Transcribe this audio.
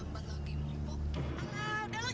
ya tapi akhirnya kita akan bisa